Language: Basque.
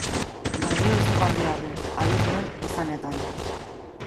Balio izugarria du, adituen esanetan.